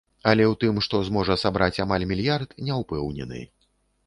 Але ў тым, што зможа сабраць амаль мільярд, не ўпэўнены.